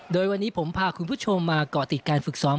โดยวันนี้ผมพาคุณผู้ชมมาเกาะติดการฝึกซ้อม